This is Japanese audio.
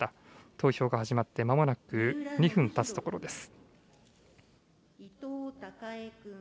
投票が始まってまもなく２分たつところです。